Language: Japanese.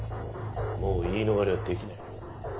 もう言い逃れはできない。